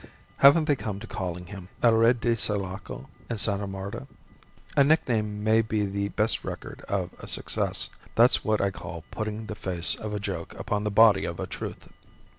Haven't they come to calling him 'El Rey de Sulaco' in Sta. Marta? A nickname may be the best record of a success. That's what I call putting the face of a joke upon the body of a truth.